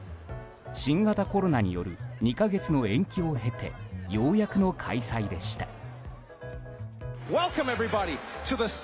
新型コロナによる２か月の延期を経てようやくの開催でした。